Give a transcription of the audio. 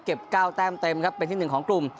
๙แต้มเต็มครับเป็นที่๑ของกลุ่ม